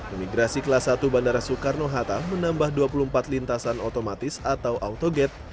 imigrasi kelas satu bandara soekarno hatta menambah dua puluh empat lintasan otomatis atau autoget